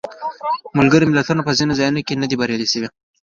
ملګري ملتونه په ځینو ځایونو کې نه دي بریالي شوي.